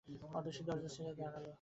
অতসী দরজা ছেড়ে সরে দাঁড়াল।